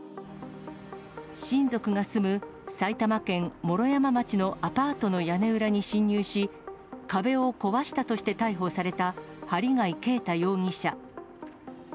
親族が住む埼玉県毛呂山町のアパートの屋根裏に侵入し、壁を壊したとして逮捕された針谷啓太容疑者。